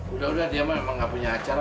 udah udah diam lah emang nggak punya acara